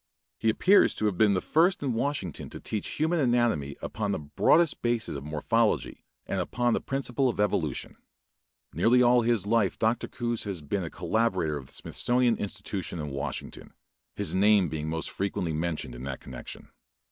He appears to have been the first in Washington to teach human anatomy upon the broadest basis of morphology and upon the principle of evolution. Nearly all his life Dr. Coues has been a collaborator of the Smithsonian Institution of Washington, his name being most frequently mentioned in that connection.